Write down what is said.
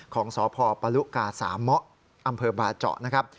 ของสพปรุกาสามะอำเภอบาเจาะ